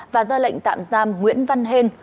và ra lệnh tạm giam nguyễn văn hên